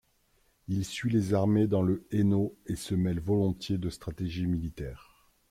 Il suit les armées dans le Hainaut et se mêle volontiers de stratégie militaire.